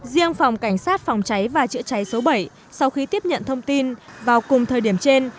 riêng phòng cảnh sát phòng cháy và chữa cháy số bảy sau khi tiếp nhận thông tin vào cùng thời điểm trên